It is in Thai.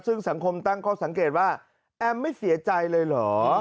ซึ่งสังคมตั้งข้อสังเกตว่าแอมไม่เสียใจเลยเหรอ